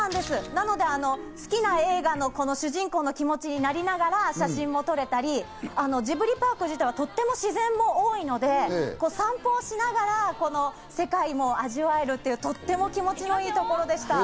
なので好きな映画の主人公の気持ちになりながら写真も撮れたり、ジブリパーク自体はとても自然も多いので、散歩をしながら、世界も味わえるというとても気持ちの良いところでした。